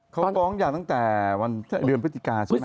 เขาฟ้องยาตั้งแต่วันเดือนพฤติกาใช่ไหม